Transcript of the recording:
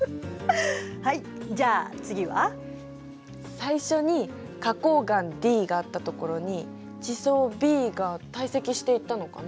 最初に花こう岩Ｄがあったところに地層Ｂが堆積していったのかな？